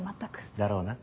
だろうな。